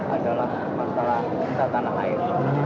adalah masalah impatan air